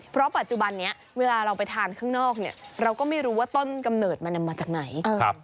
เพราะปัจจุบันนี้เวลาเราไปทานข้างนอกเนี่ยเราก็ไม่รู้ว่าต้นกำเนิดมันนำมาจากไหน